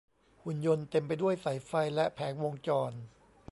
หุ่นยนต์เต็มไปด้วยสายไฟและแผงวงจร